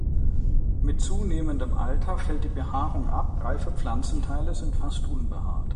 Mit zunehmendem Alter fällt die Behaarung ab, reife Pflanzenteile sind fast unbehaart.